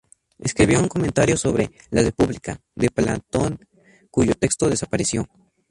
Escribió un comentario sobre "La República" de Platón cuyo texto desapareció.